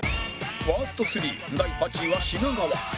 ワースト３第８位は品川